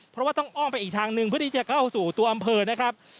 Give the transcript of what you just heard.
เพราะว่าต้องอ้อมไปอีกทางหนึ่งเพื่อที่จะเข้าสู่ตัวอำเภอนะครับ